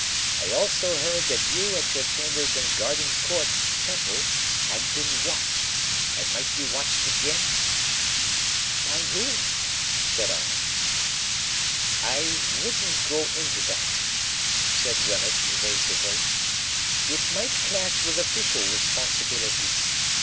I also heard that you at your chambers in Garden Court, Temple, had been watched, and might be watched again." "By whom?" said I. "I wouldn't go into that," said Wemmick, evasively, "it might clash with official responsibilities.